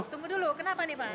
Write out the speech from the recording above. tunggu dulu kenapa nih pak